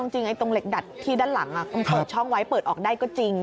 จริงตรงเหล็กดัดที่ด้านหลังเปิดช่องไว้เปิดออกได้ก็จริง